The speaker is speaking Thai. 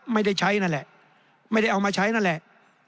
ไม่ได้ใช้นั่นแหละไม่ได้เอามาใช้นั่นแหละ